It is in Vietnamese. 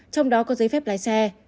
trong đó có giấy phép lái xe